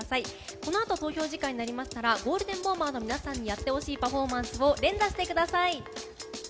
このあと投票時間になりましたらゴールデンボンバーの皆さんにやってほしいパフォーマンスを連打してください。